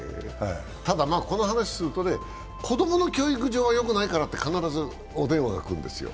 ただ、この話をすると子供の教育上はよくないからと必ずお電話が来るんですよ。